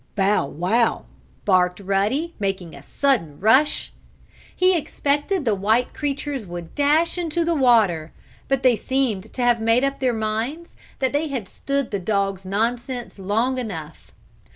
"Bow wow!" barked Ruddy, making a sudden rush. He expected the white creatures would dash into the water, but they seemed to have made up their minds that they had stood the dog's nonsense long enough.